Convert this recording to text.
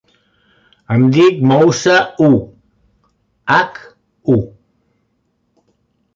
Em dic Moussa Hu: hac, u.